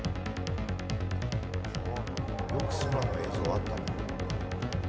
よく空の映像あったね。